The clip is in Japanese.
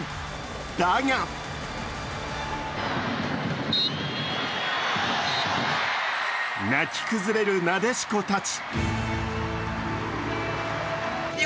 だが泣き崩れるなでしこたち。